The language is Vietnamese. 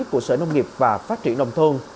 của sở nông nghiệp và phát triển nông thôn